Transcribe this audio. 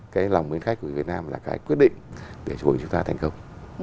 cái lòng bên khách của việt nam là cái quyết định để chúng ta thành công